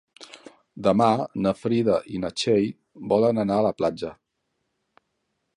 Demà na Frida i na Txell volen anar a la platja.